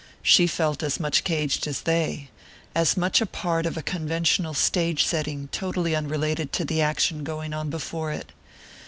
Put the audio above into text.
She felt as much caged as they: as much a part of a conventional stage setting totally unrelated to the action going on before it.